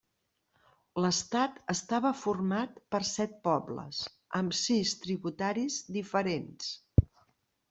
L'estat estava format per set pobles, amb sis tributaris diferents.